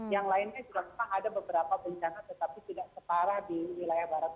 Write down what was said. yang lainnya juga memang ada beberapa bencana tetapi tidak separah di wilayah barat